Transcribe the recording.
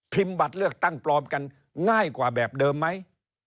บัตรเลือกตั้งปลอมกันง่ายกว่าแบบเดิมไหม